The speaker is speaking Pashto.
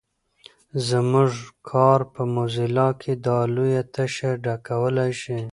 زموږ کار په موزیلا کې دا لویه تشه ډکولای شي.